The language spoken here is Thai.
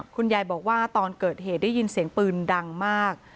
คุณยายบอกว่าตอนเกิดเหตุได้ยินเสียงปืนดังมาก